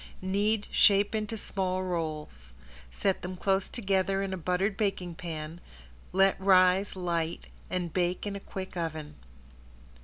Knead, shape into small rolls. Set them close together in a buttered baking pan, let rise light, and bake in a quick oven.